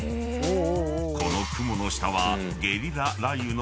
［この雲の下は］